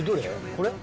これ？